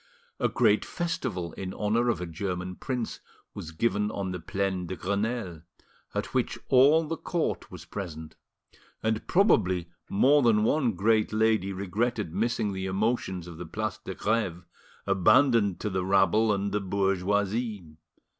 A great festival in honour of a German prince was given on the Plaine de Grenelle, at which all the court was present; and probably more than one great lady regretted missing the emotions of the Place de Greve, abandoned to the rabble and the bourgeoisie.